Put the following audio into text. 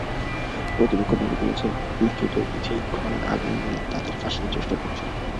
প্রতিপক্ষ দাবি করেছে, মাজেদুর নিজেই ঘরে আগুন দিয়ে তাঁদের ফাঁসানোর চেষ্টা করছেন।